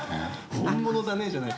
本物だねじゃない。